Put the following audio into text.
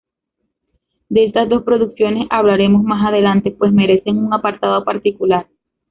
De estas dos producciones hablaremos más adelante, pues merecen un apartado particular.